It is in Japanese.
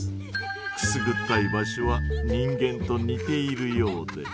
くすぐったい場所は人間と似ているようで。